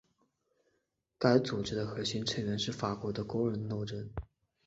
该组织的核心成员是法国的工人斗争。